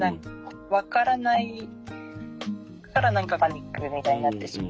わからないから何かパニックみたいになってしまう。